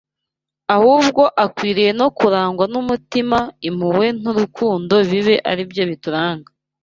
ahubwo akwiriye no kurangwa n’umutima ’impuhwe n’urukundo bibe aribyo bituranga